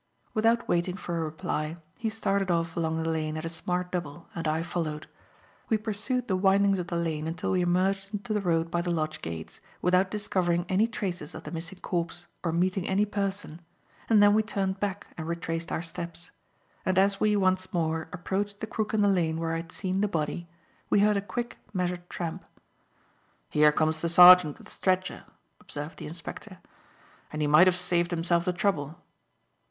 Without waiting for a reply, he started off along the lane at a smart double and I followed. We pursued the windings of the lane until we emerged into the road by the lodge gates, without discovering any traces of the missing corpse or meeting any person, and then we turned back and retraced our steps; and as we, once more, approached the crook in the lane where I had seen the body, we heard a quick, measured tramp. "Here comes the sergeant with the stretcher," observed the inspector; "and he might have saved himself the trouble."